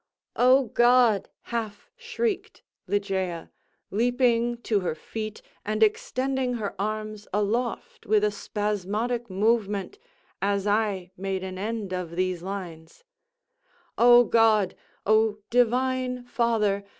"O God!" half shrieked Ligeia, leaping to her feet and extending her arms aloft with a spasmodic movement, as I made an end of these lines—"O God! O Divine Father!